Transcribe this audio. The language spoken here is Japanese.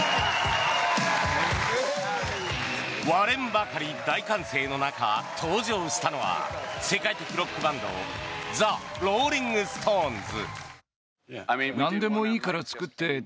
割れんばかりの大歓声の中登場したのは世界的ロックバンドザ・ローリング・ストーンズ。